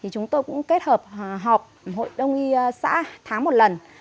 chúng tôi cũng kết hợp họp hội đông y xã tháng một lần